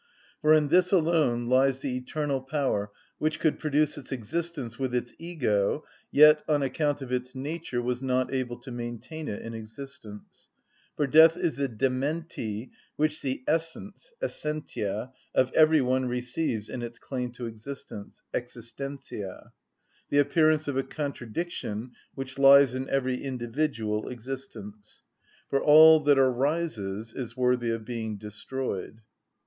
For in this alone lies the eternal power which could produce its existence with its ego, yet, on account of its nature, was not able to maintain it in existence. For death is the démenti which the essence (essentia) of every one receives in its claim to existence (existentia), the appearance of a contradiction which lies in every individual existence: "For all that arises Is worthy of being destroyed."